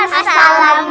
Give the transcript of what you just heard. stroberi manggal apel